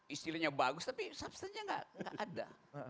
istilahnya bagus tapi substannya enggak ada